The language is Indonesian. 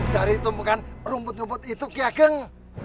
dari tumpukan rumput rumput itu ki ageng